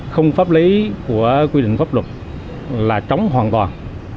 không pháp lý của quy định pháp luật là chống hoàn toàn